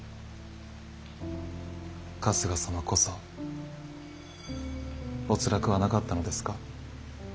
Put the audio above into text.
春日様こそおつらくはなかったのですか？